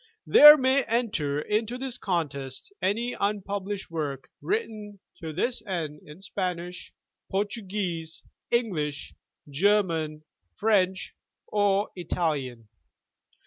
There may enter into this contest any unpublished work written to this end in Spanish, Portuguese, English, German, French or Italian.